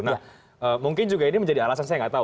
nah mungkin juga ini menjadi alasan saya nggak tahu